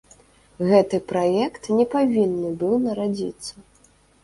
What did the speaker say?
Гэты праект не павінны быў нарадзіцца.